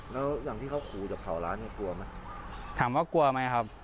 แล้วอย่างที่เขาขู่จากเผาร้านเนี่ยกลัวไหมถามว่ากลัวไหมครับ